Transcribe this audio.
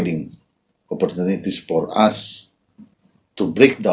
dan memberikan kesempatan untuk kami